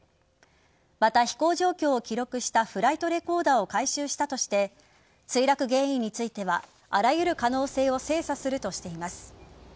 また、飛行状況を記録したフライトレコーダーを回収したとして墜落原因についてはあらゆる可能性を精査するとしています。